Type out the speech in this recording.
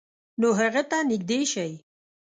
نو هغه ته نږدې شئ،